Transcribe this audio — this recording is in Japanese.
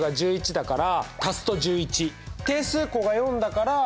だから。